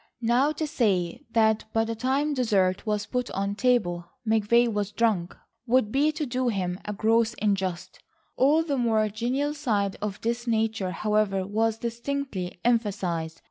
Now to say that by the time dessert was put on table McVay was drunk would be to do him a gross injustice. All the more genial side of this nature, however, was distinctly emphasised.